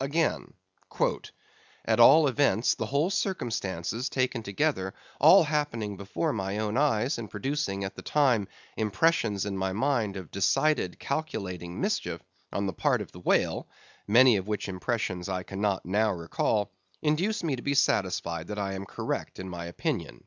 Again: "At all events, the whole circumstances taken together, all happening before my own eyes, and producing, at the time, impressions in my mind of decided, calculating mischief, on the part of the whale (many of which impressions I cannot now recall), induce me to be satisfied that I am correct in my opinion."